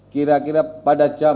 kira kira pada jam dua puluh tiga lima